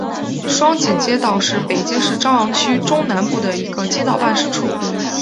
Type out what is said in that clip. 双井街道是北京市朝阳区中南部的一个街道办事处。